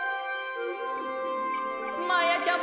まやちゃま！